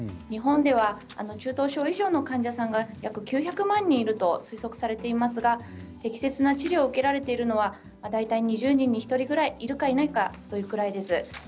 日本では中等症以上の患者さんが約９００万人いると推測されていますが適切な治療を受けられているのは大体２０人に１人ぐらいいるかいないかというくらいです。